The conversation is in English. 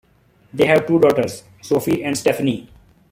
They have two daughters, Sophie and Stephanie.